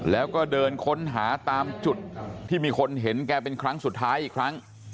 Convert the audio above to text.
แล้วก็เดินค้นหาตามจุดที่มีคนเห็นแกเป็นครั้งสุดท้ายอีกครั้ง